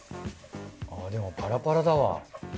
でもパラパラだわ。